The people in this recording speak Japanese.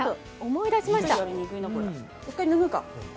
思い出しました。